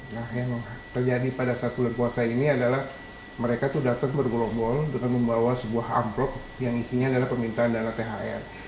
nah yang terjadi pada saat bulan puasa ini adalah mereka itu datang bergolong gol dengan membawa sebuah amplop yang isinya adalah permintaan dana thr